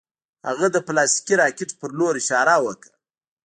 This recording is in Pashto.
هغه د پلاستیکي راکټ په لور اشاره وکړه